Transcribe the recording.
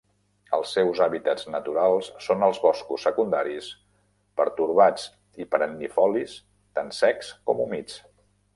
Els seus hàbitats naturals són els boscos secundaris, pertorbats i perennifolis, tant secs com humits.